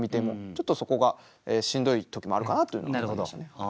ちょっとそこがしんどい時もあるかなというのは思いましたね。